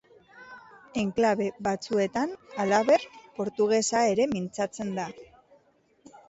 Enklabe batzuetan, halaber, portugesa ere mintzatzen da.